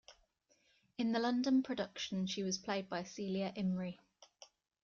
In the London production she was played by Celia Imrie.